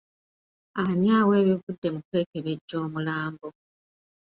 Ani awa ebivudde mu kwekebejja omulambo?